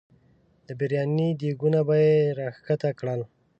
د برياني دیګونه به یې راښکته کړل.